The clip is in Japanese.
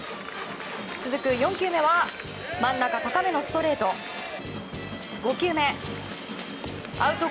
続く４球目は真ん中高めのストレート。